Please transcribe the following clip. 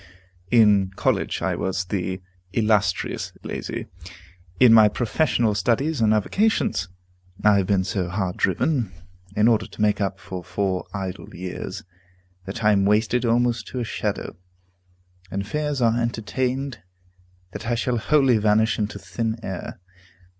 In college I was the "Illustrious Lazy." In my professional studies and avocations, I have been so hard driven, in order to make up for four idle years, that I am wasted almost to a shadow, and fears are entertained that I shall wholly vanish into thin air.